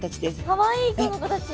かわいいこの子たち。